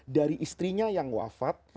dari istrinya yang wafat